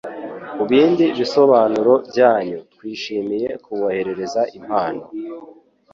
Kubindi bisobanuro byanyu twishimiye kuboherereza impano